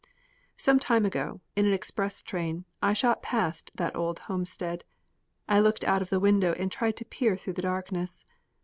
Some time ago, in an express train, I shot past that old homestead. I looked out of the window and tried to peer through the darkness.